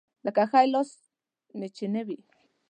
لکه ښی لاس مې چې نه وي.